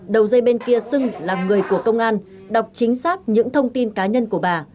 đầu dây bên kia xưng là người của công an đọc chính xác những thông tin cá nhân của bà